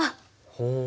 ほう。